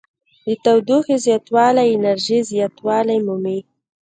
د تودوخې زیاتوالی انرژي زیاتوالی مومي.